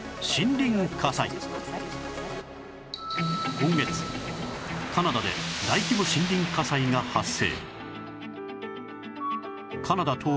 今月カナダで大規模森林火災が発生